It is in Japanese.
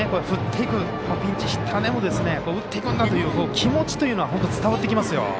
振っていくピンチヒッターでも打っていくんだという気持ちというのは伝わってきますよ。